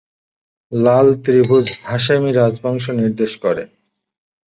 লাল ত্রিভুজ হাশেমি রাজবংশ নির্দেশ করে।